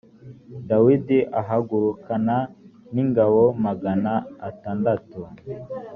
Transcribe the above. dawidi ahagurukana n ingabo magana atandatu